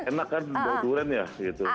enak kan bau duriannya gitu